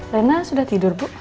rena sudah tidur bu